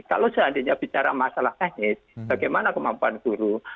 kalau seandainya bicara masalah teknis bagaimana kemampuan guru